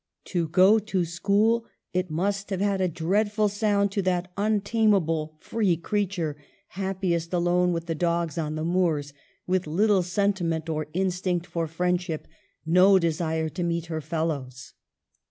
To go to school ; it must have had a dreadful sound to that untamable, free creature, happiest alone with the dogs on the moors, with little sentiment or instinct for friendship ; no desire to meet her fellows.